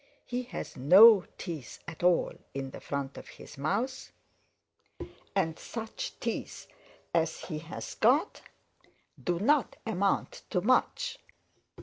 He has no teeth at all in the front of his mouth and such teeth as he has got do not amount to much."